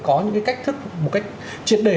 có những cái cách thức một cách triệt để